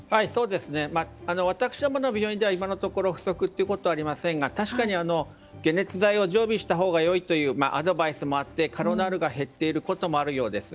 私どもの病院では今のところ不足ということはありませんが確かに、解熱剤を常備したほうがよいというアドバイスもあってカロナールが減っていることもあるようです。